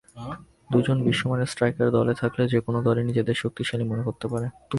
দুজন বিশ্বমানের স্ট্রাইকার দলে থাকলে যেকোনো দলই নিজেদের শক্তিশালী মনে করতে পারে।